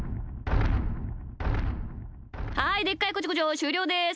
はいでっかいこちょこちょしゅうりょうです。